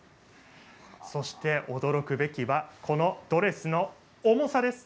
そして、驚くべきはこのドレスの重さです。